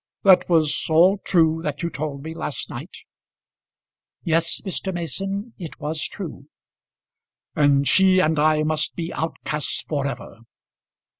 "That was all true that you told me last night?" "Yes, Mr. Mason; it was true." "And she and I must be outcasts for ever.